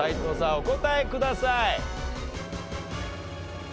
お答えください。